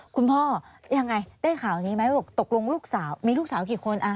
คุณพ่อยังไงได้ข่าวนี้ไหมบอกตกลงลูกสาวมีลูกสาวกี่คน